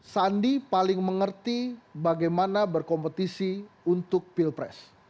sandi paling mengerti bagaimana berkompetisi untuk pilpres